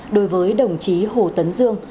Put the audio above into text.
đối với đồng chí hồ tấn dương